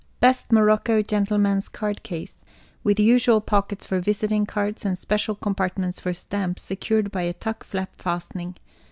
BEST MOROCCO GENTLEMAN'S CARD CASE, with usual pockets for visiting cards, and special compartments for stamps secured by a tuck flap fastening.